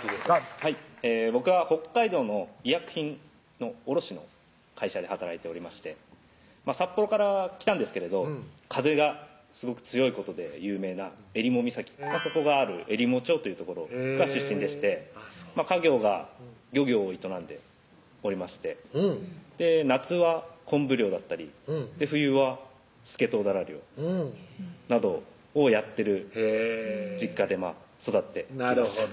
はい僕は北海道の医薬品の卸しの会社で働いておりまして札幌から来たんですけれど風がすごく強いことで有名な襟裳岬そこがあるえりも町という所が出身でして家業が漁業を営んでおりましてうん夏は昆布漁だったり冬はスケトウダラ漁などをやってる実家で育ってきました